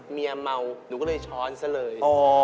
เมียเมาหนูก็เลยช้อนซะเลย